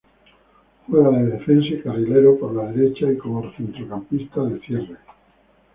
Juega de defensa o carrilero por la derecha y como centrocampista de cierre.